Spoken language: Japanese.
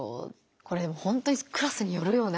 これでもほんとにクラスによるよな。